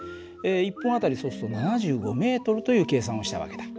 １分あたりそうすると７５ｍという計算をした訳だ。